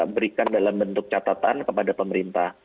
berikan dalam bentuk catatan kepada pemerintah